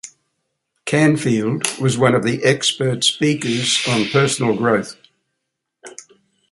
Canfield was one of the expert speakers on personal growth.